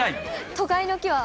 都会の木は。